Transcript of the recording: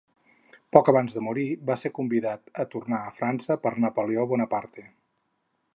Poc abans de morir va ser convidat a tornar a França per Napoleó Bonaparte.